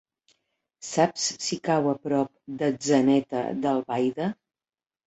Saps si cau a prop d'Atzeneta d'Albaida?